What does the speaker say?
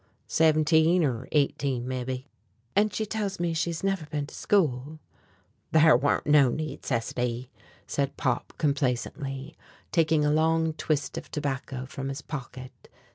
"Seventeen or eighteen, mebbe." "And she tells me she has never been to school." "Thar warn't no needcessity," said Pop complacently, taking a long twist of tobacco from his pocket.